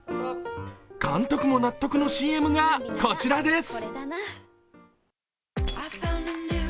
監督も納得のＣＭがこちらです。